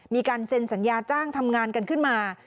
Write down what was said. มีการเซ็นสัญญาจ้างทำงานกันขึ้นมา